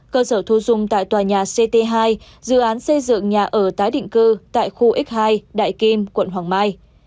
cơ sở thu dung tại tòa nhà ct hai dự án xây dựng nhà ở tái định cư tại khu x hai đại kim quận hoàng mai